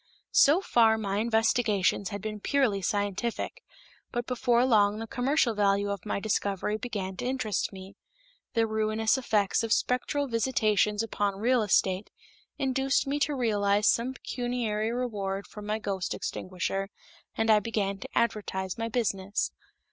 So far my investigations had been purely scientific, but before long the commercial value of my discovery began to interest me. The ruinous effects of spectral visitations upon real estate induced me to realize some pecuniary reward from my ghost extinguisher, and I began to advertise my business.